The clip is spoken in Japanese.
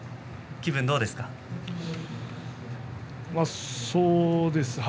気分はどうですか？